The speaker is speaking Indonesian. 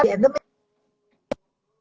harapkan di endemik